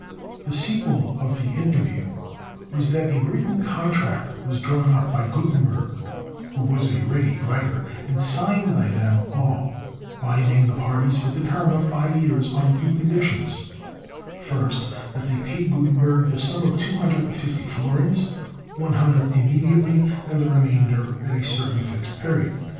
The sequel of the interview was that a written contract was drawn up by Gutenberg, who was a ready writer, and signed by them all, binding the parties for the term of five years on two conditions: First, that they pay Gutenberg the sum of two hundred and fifty florins; one hundred immediately, and the remainder at a certain fixed period.